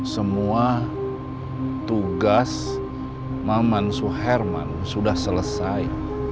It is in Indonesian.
semua tugas mamansuh herman sudah selesai